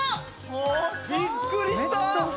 びっくりしたえっ？